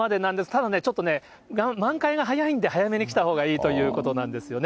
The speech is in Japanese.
ただちょっと満開が早いんで、早めに来たほうがいいということなんですよね。